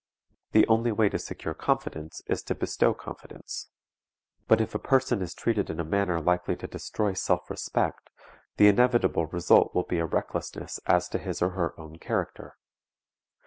The only way to secure confidence is to bestow confidence; but if a person is treated in a manner likely to destroy self respect, the inevitable result will be a recklessness as to his or her own character.